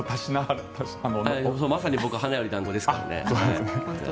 まさに僕は花より団子ですからね。